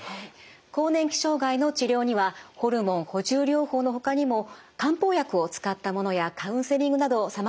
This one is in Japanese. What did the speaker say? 更年期障害の治療にはホルモン補充療法のほかにも漢方薬を使ったものやカウンセリングなどさまざまなものがあります。